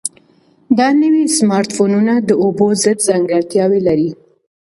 دا نوي سمارټ فونونه د اوبو ضد ځانګړتیاوې لري.